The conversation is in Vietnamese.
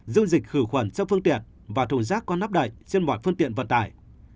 dung dịch khử khuẩn trong phương tiện và thùng rác có nắp đậy trên mọi phương tiện vận tải